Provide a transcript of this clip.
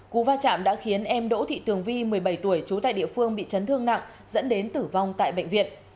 cú va chạm đã khiến em đỗ thị tường vi một mươi bảy tuổi trú tại địa phương bị chấn thương nặng dẫn đến tử vong tại bệnh viện